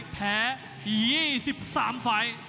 แพ้๒๓ไฟ